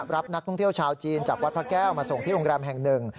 รับนักท่องเที่ยวชาวจีนจากวัดพระแก้วมาส่งที่โรงแรมแห่งหนึ่ง